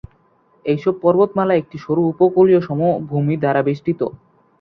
এইসব পর্বতমালা একটি সরু উপকূলীয় সমভূমি দ্বারা বেষ্টিত।